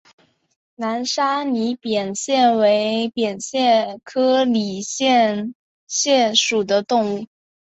南沙拟扁蟹为扁蟹科拟扁蟹属的动物。